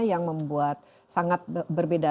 yang membuat sangat berbeda